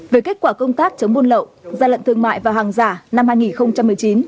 về kết quả công tác chống buôn lậu gia lận thương mại và hàng giả năm hai nghìn một mươi chín